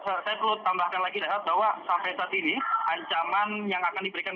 dan tadi saya perlu tambahkan lagi dahulu bahwa sampai saat ini ancaman yang akan diberikan